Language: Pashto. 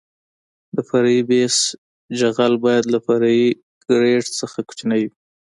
د فرعي بیس جغل باید له فرعي ګریډ څخه کوچنی وي